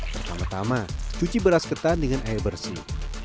pertama tama cuci beras ketan dengan air bersih